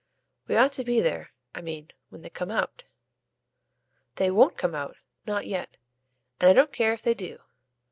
"We ought to be there I mean when they come out." "They WON'T come out not yet. And I don't care if they do."